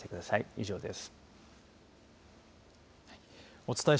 以上です。